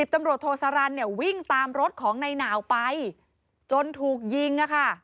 ๑๐ตำรวจโทสารันวิ่งตามรถของในหนาวไปจนถูกยิง